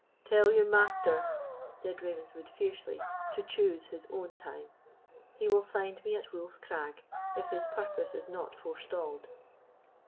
"Tell your master," said Ravenswood, fiercely, "to choose his own time. He will find me at Wolf's Crag, if his purpose is not forestalled."